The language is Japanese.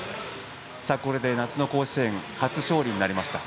これで夏の甲子園初勝利になりました。